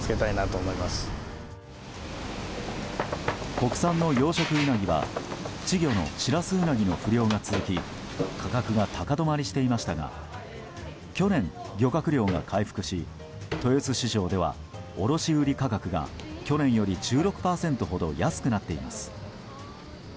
国産の養殖ウナギは稚魚のシラスウナギの不漁が続き価格が高止まりしていましたが去年、漁獲量が回復し豊洲市場では卸売価格が去年より１６％ほど安くなっています。